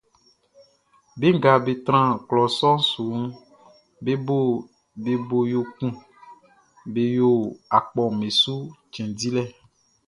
Be nga be tran klɔ sɔʼn suʼn, be bo yo kun be yo akpɔʼm be su cɛn dilɛ.